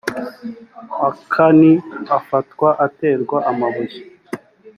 akani afatwa aterwa amabuye